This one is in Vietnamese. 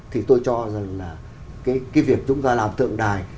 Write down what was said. thì tôi cho rằng là cái việc chúng ta làm tượng đài